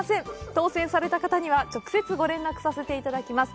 当せんされた方には、直接ご連絡させていただきます。